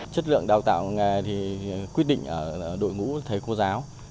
chất lượng đào tạo nghề thì quyết định ở đội ngũ thầy cô giáo